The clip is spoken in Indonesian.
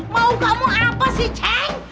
mau kamu apa sih ceng